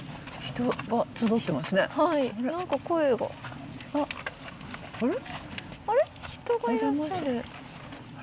人がいらっしゃる。